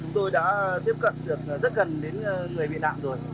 tôi đã tiếp cận được rất gần đến người bị nạn rồi